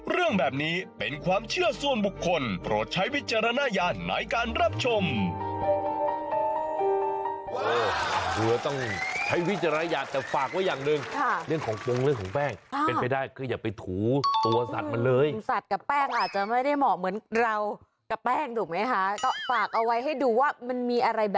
เรื่องแบบนี้เป็นความเชื่อส่วนบุคคลโปรดใช้วิจารณญาณในการรับชม